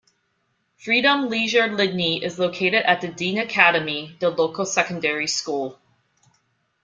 Freedom Leisure Lydney is located at the Dean Academy, the local secondary school.